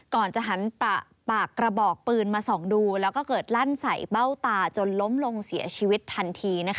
ก่อนจะหันปากกระบอกปืนมาส่องดูแล้วก็เกิดลั่นใส่เบ้าตาจนล้มลงเสียชีวิตทันที